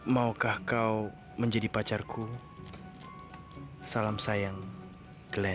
maukah kau menjadi pacarku salam sayang glenn